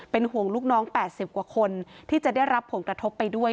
ห่วงลูกน้อง๘๐กว่าคนที่จะได้รับผลกระทบไปด้วย